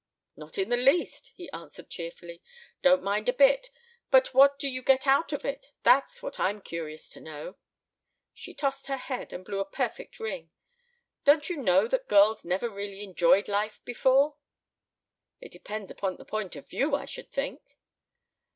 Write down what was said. "Not in the least," he answered cheerfully. "Don't mind a bit. But what do you get out of it that's what I'm curious to know." She tossed her head and blew a perfect ring. "Don't you know that girls never really enjoyed life before?" "It depends upon the point of view, I should think."